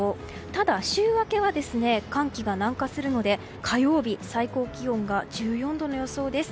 ただ、週明けは寒気が南下するので火曜日、最高気温が１４度の予想です。